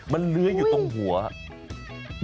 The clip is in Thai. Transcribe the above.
มันเลื้อยอยู่ตรงหัว